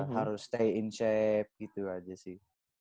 harus stay in shef gitu aja sih